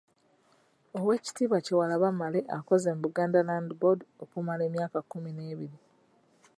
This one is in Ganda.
Oweekitiibwa Kyewalabye Male akoze mu Buganda Land Board okumala emyaka kkumi n'ebiri.